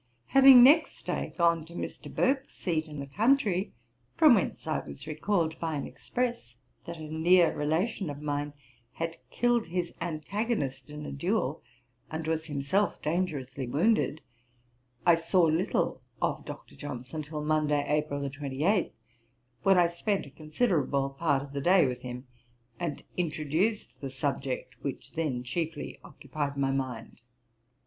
Having next day gone to Mr. Burke's seat in the country, from whence I was recalled by an express, that a near relation of mine had killed his antagonist in a duel, and was himself dangerously wounded, I saw little of Dr. Johnson till Monday, April 28, when I spent a considerable part of the day with him, and introduced the subject, which then chiefly occupied my mind.